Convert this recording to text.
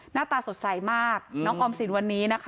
หน้าตาสดใสมากน้องออมสินวันนี้นะคะ